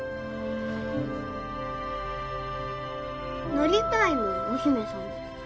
なりたいもんお姫様。